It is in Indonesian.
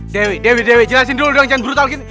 dewi dewi dewi jelasin dulu dong jangan brutal gini